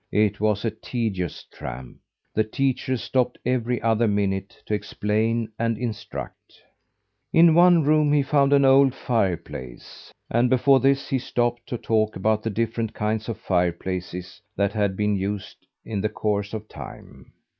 It was a tedious tramp. The teacher stopped every other minute to explain and instruct. In one room he found an old fireplace, and before this he stopped to talk about the different kinds of fireplaces that had been used in the course of time.